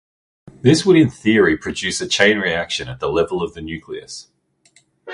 This would in theory produce a chain reaction at the level of the nucleus.